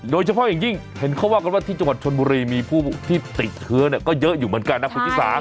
โดยเฉพาะอย่างยิ่งเห็นเขาว่ากันว่าที่จังหวัดชนบุรีมีผู้ที่ติดเชื้อก็เยอะอยู่เหมือนกันนะคุณชิสา